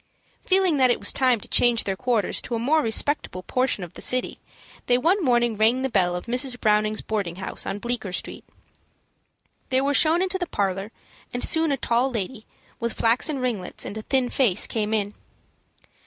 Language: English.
Feeling that it was time to change their quarters to a more respectable portion of the city, they one morning rang the bell of Mrs. Browning's boarding house, on Bleecker Street. They were shown into the parlor, and soon a tall lady, with flaxen ringlets and a thin face, came in.